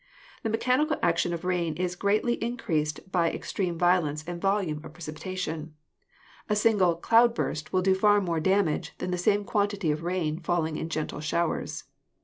The mechanical action of rain is greatly in creased by extreme violence and volume of precipitation ; a 132 GEOLOGY single "cloud burst" will do far more damage than the same quantity of rain falling in gentle showers.